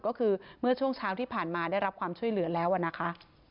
ก็คือเมื่อช่วงเช้าที่ผ่านมาได้รับความช่วยเหลือแล้วนะคะ